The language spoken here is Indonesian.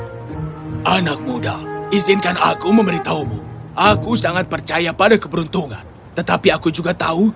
anak muda izinkan aku memberitahumu aku sangat percaya pada keberuntungan tetapi aku juga tahu